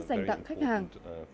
dành tặng khách hàng